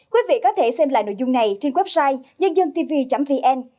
quý vị có thể xem lại nội dung này trên website nhân dântv vn